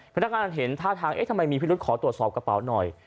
พนักงานเห็นท่าทางเอ๊ะทำไมมีพิรุษขอตรวจสอบกระเป๋าหน่อย